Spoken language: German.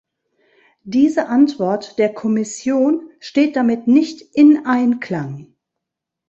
Diese Antwort der Kommission steht damit nicht in Einklang.